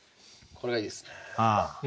これがいいですね。